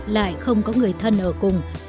lại không có người thân ở cùng